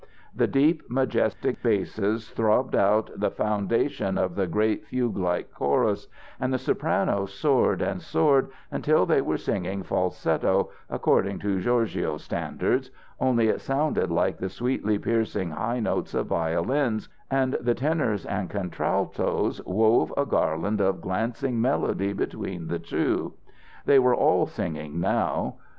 The deep, majestic basses throbbed out the foundation of the great fuguelike chorus, and the sopranos soared and soared until they were singing falsetto, according to gorgio standards, only it sounded like the sweetly piercing high notes of violins, and the tenors and contraltos wove a garland of glancing melody between the two. They were all singing now.